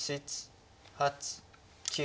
８９。